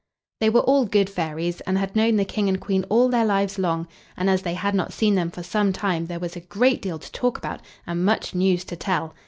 They were all good fairies, and had known the King and Queen all their lives long, and as they had not seen them for some time there was a great deal to talk about and much news to tell.